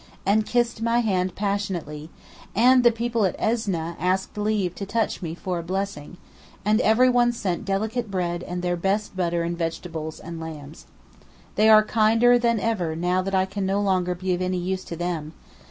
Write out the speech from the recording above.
and kissed my hand passionately; and the people at Esneh asked leave to touch me "for a blessing," and everyone sent delicate bread and their best butter and vegetables and lambs. They are kinder than ever now that I can no longer be of any use to them.